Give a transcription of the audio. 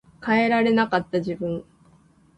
変えられなかった自分